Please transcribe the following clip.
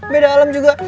beda alam juga